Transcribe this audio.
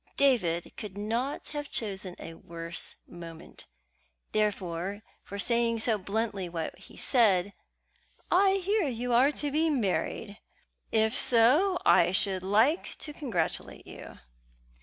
David could not have chosen a worse moment, therefore, for saying so bluntly what he said: "I hear you are to be married. If so, I should like to congratulate you."